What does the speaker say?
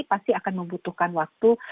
pasti akan membutuhkan waktu